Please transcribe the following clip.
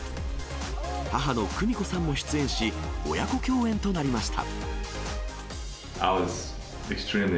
母の久美子さんも出演し、親子共演となりました。